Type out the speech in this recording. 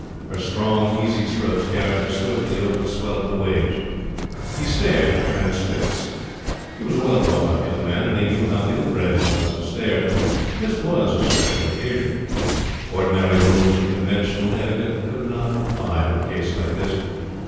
Her strong, easy strokes carried her swiftly over the swell of the waves. He stared, transfixed. He was a well brought up young man, and he knew how ill bred it was to stare; but this was a special occasion. Ordinary rules of conventional etiquette could not apply to a case like this.